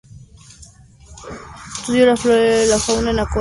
Estudió la flora y la fauna en acuarelas, que ella pintó de la naturaleza.